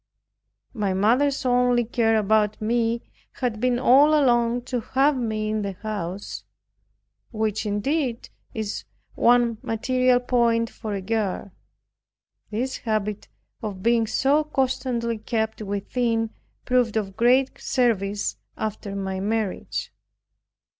My mother's only care about me had been all along to have me in the house, which indeed is one material point for a girl. This habit of being so constantly kept within, proved of great service after my marriage.